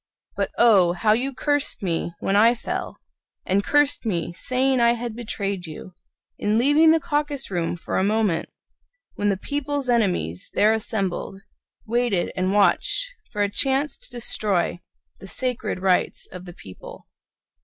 But oh, how you cursed me when I fell, And cursed me, saying I had betrayed you, In leaving the caucus room for a moment, When the people's enemies, there assembled, Waited and watched for a chance to destroy The Sacred Rights of the People.